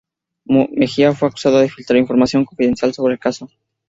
Mejía fue acusado de filtrar información confidencial sobre el caso.